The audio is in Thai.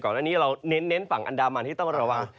อันนี้เราเน้นฝั่งอันดามันที่ต้องระวัง